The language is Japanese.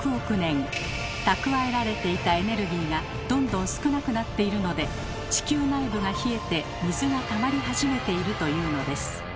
蓄えられていたエネルギーがどんどん少なくなっているので地球内部が冷えて水がたまり始めているというのです。